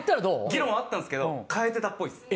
議論はあったんですけど代えてたっぽいです。